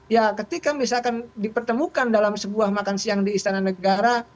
ya ketika misalkan dipertemukan dalam sebuah makan siang di istana negara